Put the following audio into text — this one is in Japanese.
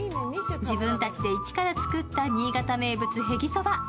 自分たちで一から作った新潟名物へぎそば。